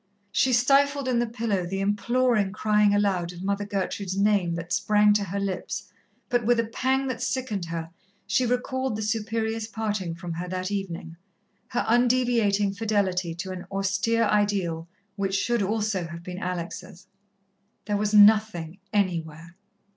She stifled in the pillow the imploring crying aloud of Mother Gertrude's name that sprang to her lips, but with a pang that sickened her, she recalled the Superior's parting from her that evening, her undeviating fidelity to an austere ideal which should also have been Alex'. There was nothing anywhere.